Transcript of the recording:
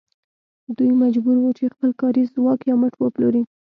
دوی مجبور وو چې خپل کاري ځواک یا مټ وپلوري